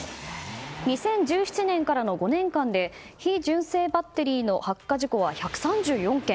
２０１７年からの５年間で非純正バッテリーの発火事故は１３４件。